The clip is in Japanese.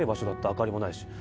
明かりもないし。